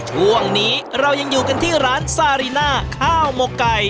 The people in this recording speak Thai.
ช่วงนี้เรายังอยู่กันที่ร้านซาริน่าข้าวหมกไก่